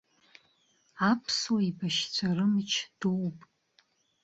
Аԥсуа еибашьцәа рымч дууп.